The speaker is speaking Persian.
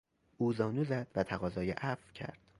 او زانو زد و تقاضای عفو کرد.